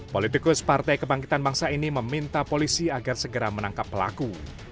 politikus partai kebangkitan bangsa ini meminta polisi agar segera menangkap pelaku